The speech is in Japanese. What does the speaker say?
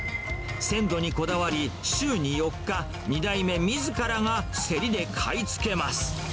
鮮度にこだわり、週に４日、２代目みずからが競りで買いつけます。